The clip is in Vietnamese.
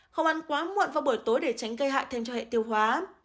không ăn quá muộn vào buổi tối để tránh gây hại thêm cho hệ tiêu hóa